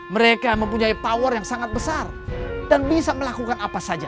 mereka mempunyai power yang sangat besar dan bisa melakukan apa saja